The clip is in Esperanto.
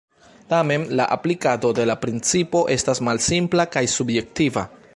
Tamen la aplikado de la principo estas malsimpla kaj subjektiva.